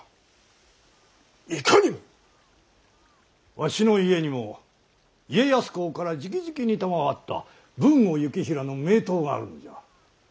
わしの家にも家康公から直々に賜った豊後行平の名刀があるのじゃ。